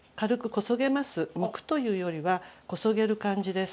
むくというよりはこそげる感じです。